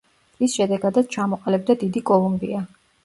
რის შედეგადაც ჩამოყალიბდა დიდი კოლუმბია.